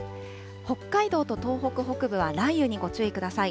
北海道と東北北部は雷雨にご注意ください。